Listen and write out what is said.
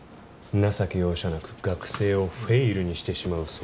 情け容赦なく学生をフェイルにしてしまうそうだ。